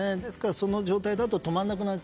その状態だと止まらなくなる。